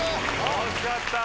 惜しかった！